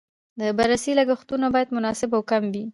د بررسۍ لګښتونه باید مناسب او کم وي.